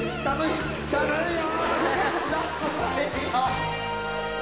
寒いよ！